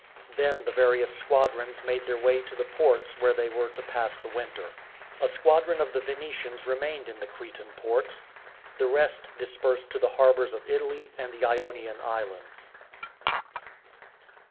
Then the various squadrons made their way to the ports where they were to pass the winter. A squadron of the Venetians remained in the Cretan ports. The rest dispersed to the harbours of Italy and the Ionian islands.